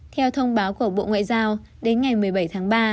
theo thông báo của bộ ngoại giao đến ngày một mươi bảy tháng ba